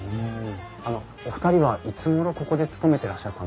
あのお二人はいつごろここで勤めてらっしゃったんですか？